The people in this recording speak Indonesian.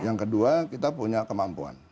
yang kedua kita punya kemampuan